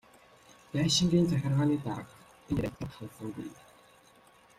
Байшингийн захиргааны дарга энэ ярианд сэтгэл огт ханасангүй.